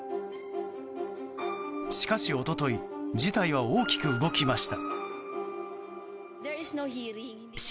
しかし、一昨日事態は大きく動きました。